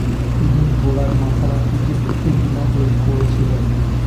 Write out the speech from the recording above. তিনি ঘোড়ার মাথার আকৃতির একটি বীণা তৈরি করেছিলেন।